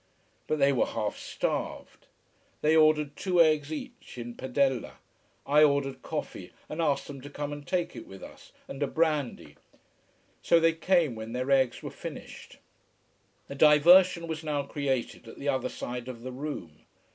But they were half starved. They ordered two eggs each, in padella. I ordered coffee and asked them to come and take it with us, and a brandy. So they came when their eggs were finished. A diversion was now created at the other side of the room.